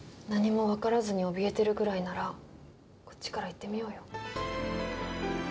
何もわからずにおびえてるぐらいならこっちから行ってみようよ。